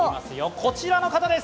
こちらの方です。